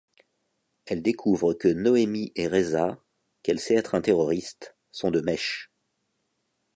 Elle découvre que Noémie et Réza, qu’elle sait être un terroriste, sont de mèche.